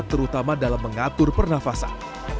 terutama dalam mengatur pernafasan